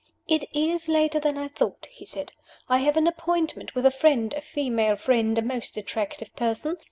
"It is later than I thought," he said. "I have an appointment with a friend a female friend; a most attractive person.